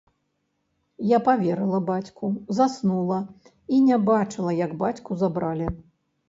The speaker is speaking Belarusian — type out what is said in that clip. Я паверыла бацьку, заснула і не бачыла, як бацьку забралі.